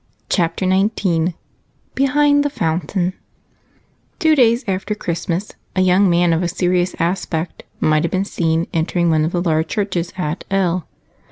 Chapter 19 BEHIND THE FOUNTAIN Two days after Christmas a young man of serious aspect might have been seen entering one of the large churches at L